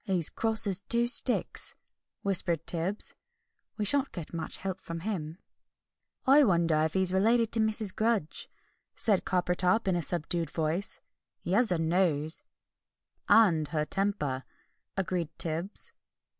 "He's cross as two sticks!" whispered Tibbs; "we shan't get much help from him." "I wonder if he is related to Mrs. Grudge," said Coppertop in a subdued voice; "he has her nose " "And her temper," agreed Tibbs.